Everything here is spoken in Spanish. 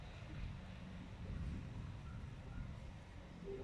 En las audiencias, los representantes de Microsoft advirtieron de un posible monopolio.